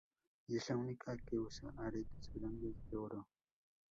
Y es la única que usa aretes grandes de oro.